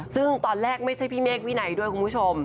ซึ่งตอนแรกไม่ใช่พี่เมฆวินัยด้วยคุณผู้ชม